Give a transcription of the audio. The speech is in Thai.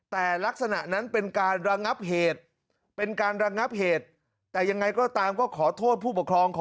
แต่ลักษณะนั้นเป็นการระงับเหตุเป็นการระงับเหตุ